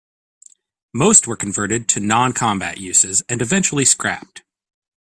Most were converted to non-combat uses and eventually scrapped.